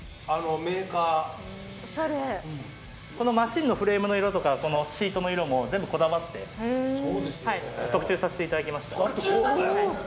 マシンのフレームの色とかシートの色もこだわって特注させていただきました。